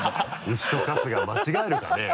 牛と春日間違えるかね？